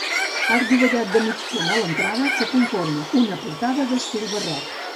Arc dovellat de mig punt a l'entrada que conforma una portada d'estil barroc.